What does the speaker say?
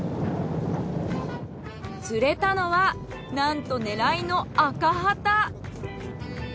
釣れたのはなんと狙いのアカハタ。